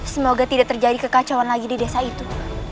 semoga tidak terjadi kekacauan lagi di desa itu